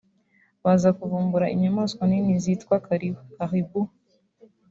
baza kuvumbura inyamaswa nini zitwa karibu (caribou)